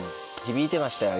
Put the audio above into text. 響いてましたよ